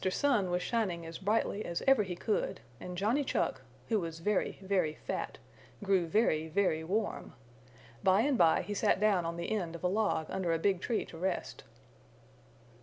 Sun was shining as brightly as ever he could and Johnny Chuck, who was very, very fat, grew very, very warm. By and by he sat down on the end of a log under a big tree to rest.